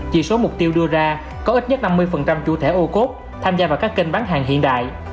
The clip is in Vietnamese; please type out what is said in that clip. chỉ số mục tiêu đưa ra có ít nhất năm mươi chủ thể ô cốt tham gia vào các kênh bán hàng hiện đại